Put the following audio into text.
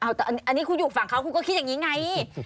อันนี้คุณอยู่ฝั่งเขาคุณก็คิดอย่างนี้ไง